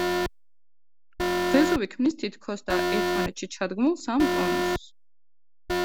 ვეზუვი ქმნის თითქოსდა ერთმანეთში ჩადგმულ სამ კონუსს.